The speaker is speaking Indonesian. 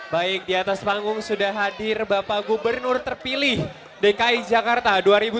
baik di atas panggung sudah hadir bapak gubernur terpilih dki jakarta